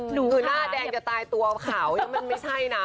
หนึ่งหน้าแดงจะตายตัวขาวยังมันไม่ใช่นะ